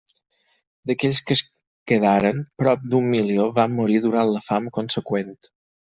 D'aquells que es quedaren, prop d'un milió van morir durant la fam conseqüent.